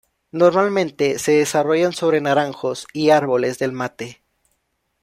Normalmente se desarrollan sobre naranjos y árboles del mate.